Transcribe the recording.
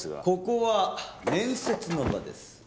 ここは面接の場です。